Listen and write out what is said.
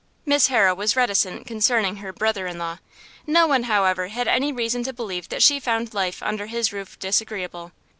Miss Harrow was reticent concerning her brother in law; no one, however, had any reason to believe that she found life under his roof disagreeable.